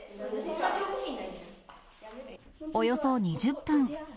およそ２０分。